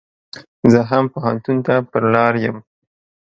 زه هم پو هنتون ته پر لار يم.